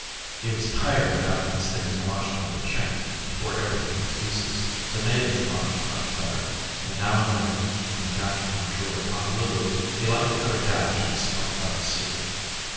He was tired of having his things washed by a Chink who tore everything to pieces; the natives washed much better, and now and then when the captain went ashore at Honolulu he liked to cut a dash in a smart duck suit.